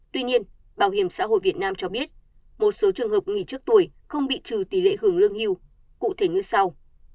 tuy nhiên bảo hiểm xã hội việt nam cho biết một số trường hợp nghỉ trước tuổi không bị trừ tỷ lệ hưởng lương hưu cụ thể như sau